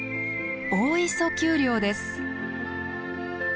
大磯丘陵です。